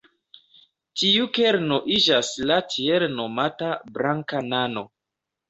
Tiu kerno iĝas la tiel nomata "blanka nano".